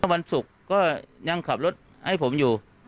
วันศุกร์ก็ยังขับรถให้ผมอยู่